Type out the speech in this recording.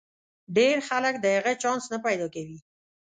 ډېر خلک د هغه چانس نه پیدا کوي.